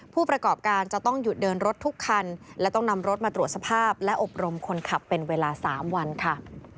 ผู้ประกอบการจะต้องหยุดเดินรถทุกคันและต้องนำรถมาตรวจสภาพและอบรมคนขับเป็นเวลา๓วันค่ะ